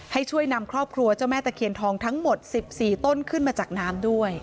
ให้ช่วยนำครอบครัวเจ้าแม่ตะเคียนทองทั้งหมด๑๔ต้นขึ้นมาจากน้ำด้วย